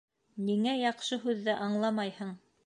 Ниңә яҡшы һүҙҙе аңламайһың?